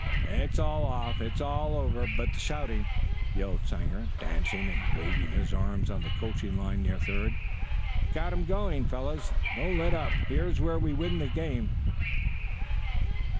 "It's all off! It's all over but the shouting!" yelled Sanger, dancing and waving his arms on the coaching line near third. "Got him going, fellows! Don't let up! Here's where we win the game!"